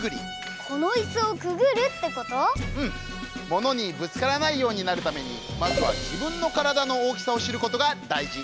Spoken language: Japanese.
ものにぶつからないようになるためにまずは自分の体の大きさを知ることがだいじ！